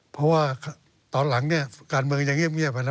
เพราะว่าตอนหลังการเมืองยังเงียบไปนะ